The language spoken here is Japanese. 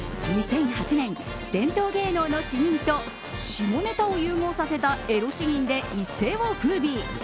２００８年、伝統芸能の詩吟と下ネタを融合させたエロ詩吟で一世を風靡。